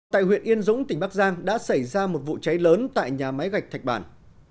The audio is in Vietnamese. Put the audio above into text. tại huyện yên dũng tỉnh bắc giang đã xảy ra một vụ cháy lớn tại nhà máy gạch bản